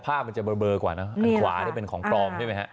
ภาพมันจะเบอร์กว่าเนอะอันขวานี่เป็นของปลอมใช่ไหมฮะ